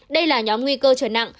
đây là nhóm nguy cơ trở nặng